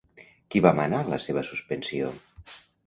Qui va manar la seva suspensió?